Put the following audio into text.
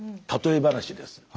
例え話です。